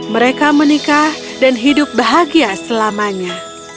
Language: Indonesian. mereka menikah dan hidup bahagia selamanya